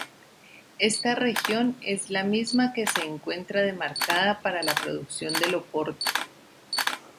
Esta región es la misma que se encuentra demarcada para la producción del oporto.